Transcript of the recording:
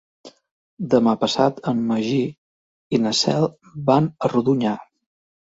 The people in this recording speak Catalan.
Demà passat en Magí i na Cel van a Rodonyà.